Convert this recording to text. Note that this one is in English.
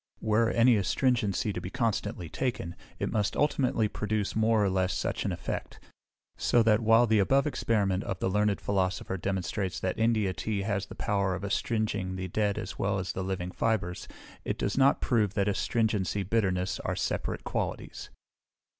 Were any astringent to be constantly taken, it must ultimately produce more or less such an effect; so that while the above experiment of the learned Philosopher demonstrates that India tea has the power of astringing the dead as well as the living fibres, it does not prove that astringency bitterness are separate qualities.